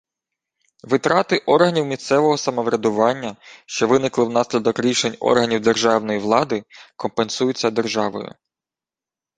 Витрати органів місцевого самоврядування, що виникли внаслідок рішень органів державної влади, компенсуються державою